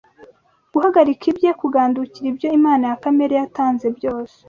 guhagarika ibye; kugandukira ibyo Imana ya Kamere yatanze byose